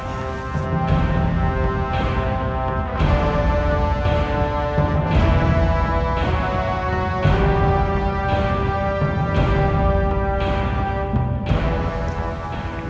lencana dharma putra